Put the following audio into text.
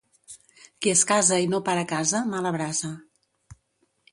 Qui es casa i no para casa, mala brasa.